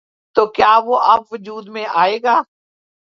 تو کیا وہ اب وجود میں آئے گا؟